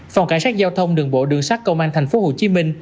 phòng cảnh sát giao thông đường bộ đường sát công an tp hcm